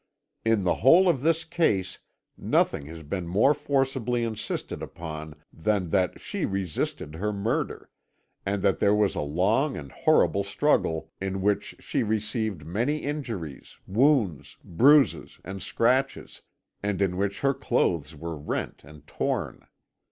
In the whole of this case nothing has been more forcibly insisted upon than that she resisted her murder, and that there was a long and horrible struggle in which she received many injuries, wounds, bruises, and scratches, and in which her clothes were rent and torn.